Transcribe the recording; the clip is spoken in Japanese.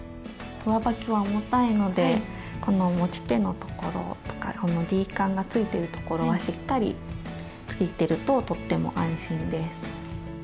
上履きは重たいのでこの持ち手のところとかＤカンがついてるところはしっかりついてるととっても安心です。